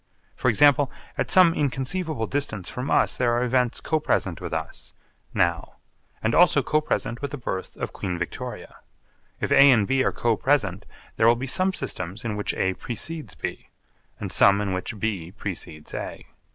For example, at some inconceivable distance from us there are events co present with us now and also co present with the birth of Queen Victoria. If A and B are co present there will be some systems in which A precedes B and some in which B precedes A.